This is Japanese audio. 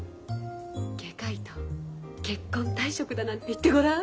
外科医と結婚退職だなんて言ってごらん。